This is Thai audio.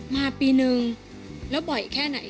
มาปีนึงแล้วบ่อยแค่ไหน